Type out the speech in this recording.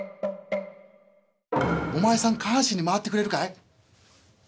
「お前さん下半身に回ってくれるかい？」。